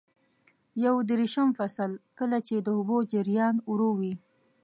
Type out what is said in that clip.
یو دېرشم فصل: کله چې د اوبو جریان ورو وي.